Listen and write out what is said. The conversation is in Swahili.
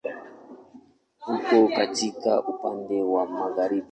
Uko katikati, upande wa magharibi.